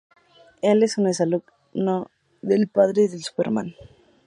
Él es un ex alumno del padre de Superman, Jor-El.